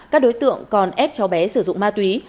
các đối tượng còn ép cháu bé sử dụng ma túy